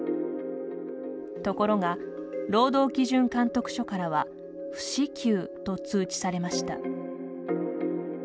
ところが、労働基準監督署からは不支給と通知されました。